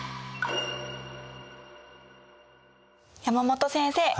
山本先生